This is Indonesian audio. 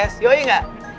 ember kece kayak kita kan